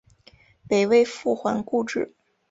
北魏复还故治。